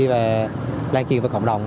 và lan truyền vào cộng đồng